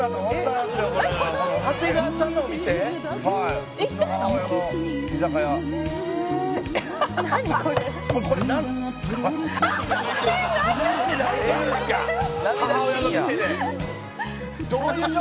「長谷川さんのお母様？」